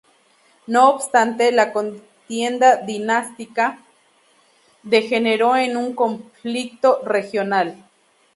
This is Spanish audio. No obstante, la contienda dinástica degeneró en un conflicto regional.